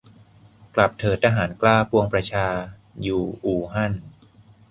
"กลับเถิดทหารกล้า ปวงประชาอยู่อู่ฮั่น"